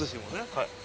はい。